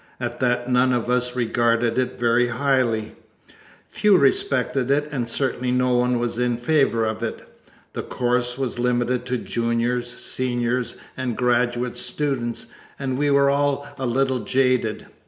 At that none of us regarded it very highly. Few respected it and certainly no one was in favor of it. The course was limited to juniors, seniors and graduate students and we were all a little jaded.